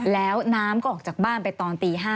แล้วน้ำก็ออกจากบ้านไปตอนตี๕